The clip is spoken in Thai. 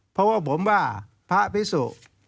เพราะว่าผมว่าพระพิสุ